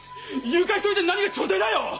誘拐しといてなにが調停だよ！